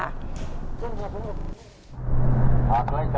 หยุดหยุด